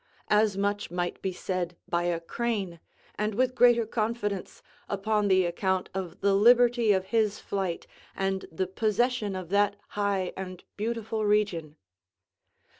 As much might be said by a crane, and with greater confidence, upon the account of the liberty of his flight, and the possession of that high and beautiful region.